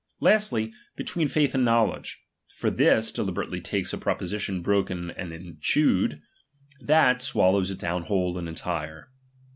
Lastly, between /aiih and knowledge; for this deliberately takes a proposition broken and chewed ; that swallows it down whole and entire.